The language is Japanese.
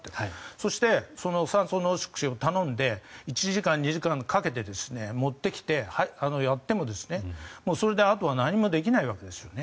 そして、酸素濃縮装置を頼んで１時間、２時間かけて持ってきてやってもそれであとは何もできないわけですね。